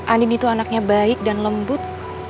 anin itu anaknya baik dan lembut